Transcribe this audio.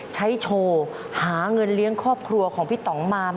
มันก็จะเข้ากับทรงฟันทรงปากของเราเลย